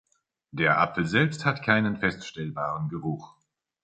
Der Apfel selbst hat keinen feststellbaren Geruch.